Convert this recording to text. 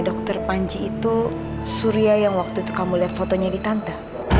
dokter panji itu surya yang waktu itu kamu lihat fotonya di tante